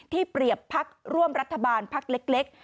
ที่เปรียบภักดิ์ร่วมรัฐบาลภักดิ์เล็ก